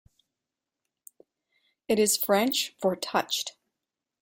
It is French for touched.